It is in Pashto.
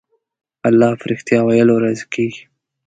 الله په رښتيا ويلو راضي کېږي.